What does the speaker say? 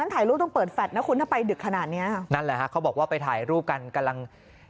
ถ่ายรูปต้องเปิดแฟลตนะคุณถ้าไปดึกขนาดเนี้ยนั่นแหละฮะเขาบอกว่าไปถ่ายรูปกันกำลัง